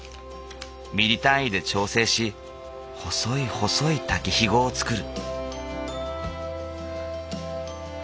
ミリ単位で調整し細い細い竹ひごを作る。